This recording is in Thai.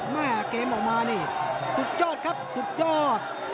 แม่เกมออกมานี่สุดยอดครับสุดยอด